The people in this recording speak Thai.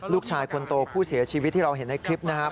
ลูกชายคนโตผู้เสียชีวิตที่เราเห็นในคลิปนะครับ